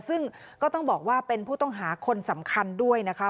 ซึ่งก็ต้องบอกว่าเป็นผู้ต้องหาคนสำคัญด้วยนะคะ